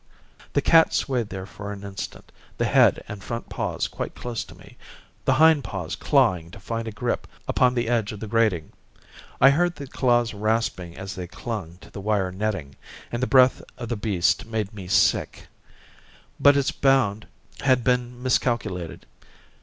The cat swayed there for an instant, the head and front paws quite close to me, the hind paws clawing to find a grip upon the edge of the grating. I heard the claws rasping as they clung to the wire netting, and the breath of the beast made me sick. But its bound had been miscalculated.